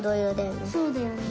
そうだよね。